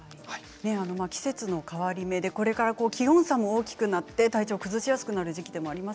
季節の変わり目でこれから気温差が大きくなって体調を崩しやすくもなります。